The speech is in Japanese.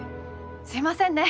すいませんね！